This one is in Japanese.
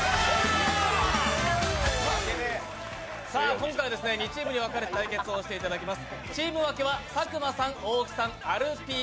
今回２チームに分かれて対決をしていただきます。